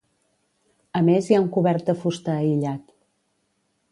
A més hi ha un cobert de fusta aïllat.